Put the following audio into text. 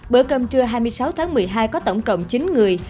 bữa cơm trưa hai mươi sáu tháng một mươi hai có tổng cộng chín người